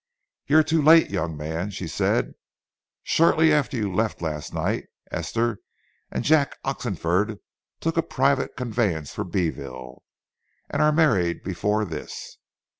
"You're too late, young man," she said. "Shortly after you left last night, Esther and Jack Oxenford took a private conveyance for Beeville, and are married before this.